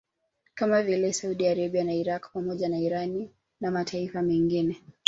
Kama vile Saudi Arabia na Iraq pamoja na Irani na mataifa mengine